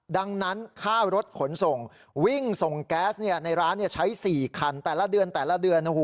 ดังนั้นค่ารถขนส่งวิ่งส่งแก๊สในร้านใช้๔คันแต่ละเดือนแต่ละเดือน